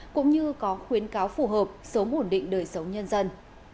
cũng như có khuyến cáo phù hợp sống ổn định đời sống nhân dân